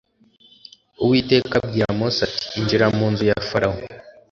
Uwiteka abwira mose ati injira mu nzu ya farawo